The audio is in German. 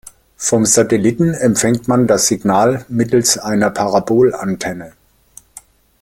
Vom Satelliten empfängt man das Signal mittels einer Parabolantenne.